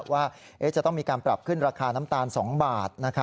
ว่าจะต้องมีการปรับขึ้นราคาน้ำตาล๒บาท